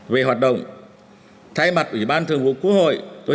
về hoạt động thay mặt ủy ban thường vụ quốc hội